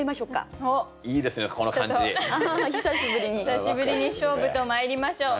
久しぶりに勝負とまいりましょう。